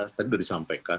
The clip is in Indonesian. tadi sudah disampaikan